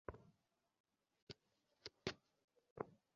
কিন্তু আমি ওর আশেপাশে কোথাও বসতে চাই না।